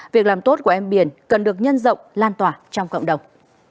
việc làm tốt của em biển cần được nhân rộng lan tỏa trong cộng đồng